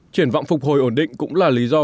triển vọng phục hồi ổn định cũng là lý do